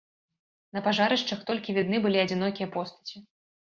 На пажарышчах толькі відны былі адзінокія постаці.